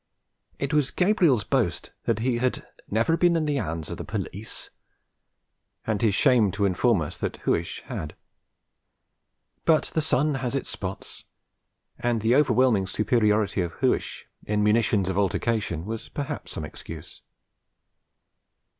It was Gabriel's boast that he had 'never been in the 'ands of the police,' and his shame to inform us that Huish had. But the sun has its spots, and the overwhelming superiority of Huish in munitions of altercation was perhaps some excuse.